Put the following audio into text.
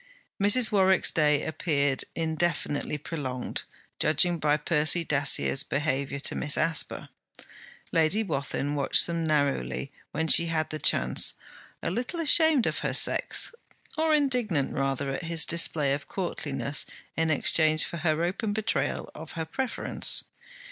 Mrs. Warwick's day appeared indefinitely prolonged, judging by Percy Dacier's behaviour to Miss Asper. Lady Wathin watched them narrowly when she had the chance, a little ashamed of her sex, or indignant rather at his display of courtliness in exchange for her open betrayal of her preference.